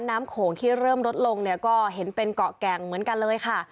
โขงที่เริ่มลดลงเนี่ยก็เห็นเป็นเกาะแก่งเหมือนกันเลยค่ะ